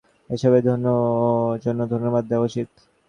ঠিক আছে, আমার তাহলে তোমাকে এসবের জন্য ধন্যবাদ দেয়া উচিত।